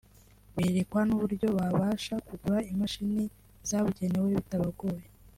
berekwa n’uburyo babasha kugura imashini zabugenewe bitabagoye